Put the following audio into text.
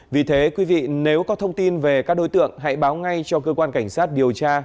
vì thế quý vị nếu có thông tin về các đối tượng hãy báo ngay cho cơ quan cảnh sát điều tra